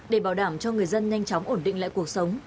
để bảo đảm cho người dân nhanh chóng ổn định lại cuộc sống